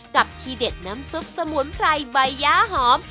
กับที่เด็ดน้ำซุปสมุนไพรใบย้าหอม